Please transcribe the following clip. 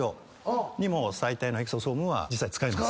臍帯のエクソソームは実際使います。